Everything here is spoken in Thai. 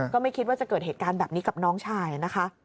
ก็ไม่คิดว่าจะเกิดเหตุการณ์แบบนี้กับน้องชายนะคะ